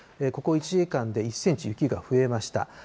ここ１時間で１センチ雪が増えました。